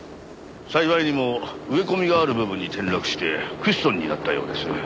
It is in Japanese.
幸いにも植え込みがある部分に転落してクッションになったようです。